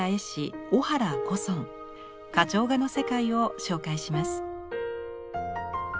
花鳥画の世界を紹介します。